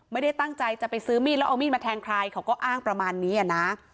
ไม่ได้ตั้งใจจะไปซื้อมีดแล้วเอามีดมาแทงใครเขาก็อ้างประมาณนี้อ่ะนะ